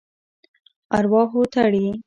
ارواحو تړي.